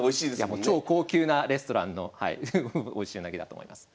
もう超高級なレストランのおいしいウナギだと思います。